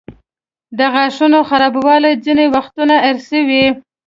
د غاښونو خرابوالی ځینې وختونه ارثي وي.